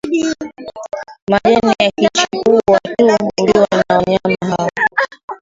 Majani yakichipua tu huliwa na wanyama hao